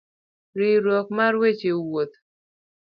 Riwruok mar weche wuoth